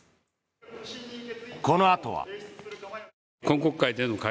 このあとは。